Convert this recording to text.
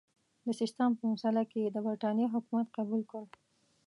د سیستان په مسئله کې یې د برټانیې حکمیت قبول کړ.